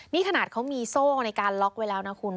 นี่ขนาดเขามีโซ่ในการล็อกไว้แล้วนะคุณ